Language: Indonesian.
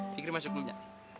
fikri masuk dulu